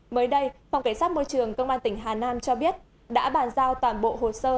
mới đây phòng cảnh sát môi trường công an tỉnh hà nam cho biết đã bàn giao toàn bộ hồ sơ